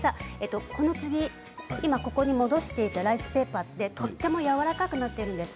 ここに、戻していたライスペーパーとてもやわらかくなっているんです。